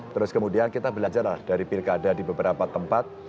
terus kemudian kita belajar dari pilkada di beberapa tempat